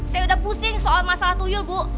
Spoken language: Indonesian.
saya sudah pusing soal masalah tuyul bu